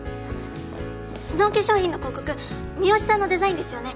スノー化粧品の広告三好さんのデザインですよね？